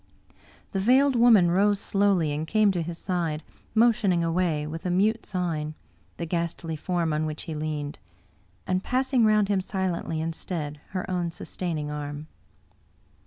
The Veiled Woman rose slowly and came to his side, motioning away, with a mute sign, the ghastly form on which he leaned, and passing round him silently, instead, her own sustaining arm.